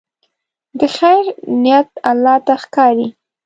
د خیر نیت الله ته ښکاري.